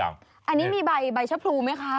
อันนี้มีใบชะพรูไหมคะ